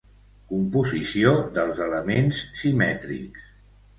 Composició dels elements simètrics.